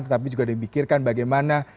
tetapi juga dibikirkan bagaimana